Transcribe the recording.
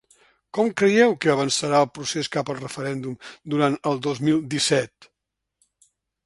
Com creieu que avançarà el procés cap al referèndum durant el dos mil disset?